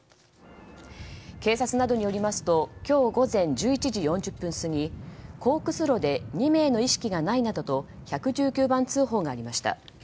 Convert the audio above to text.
警察などによりますと今日午前１１時４０分過ぎコークス炉で２名の意識がないなどと１１９番通報がありました。